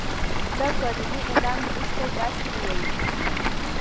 له پروني اعلان وروسته داسی ویل کیږي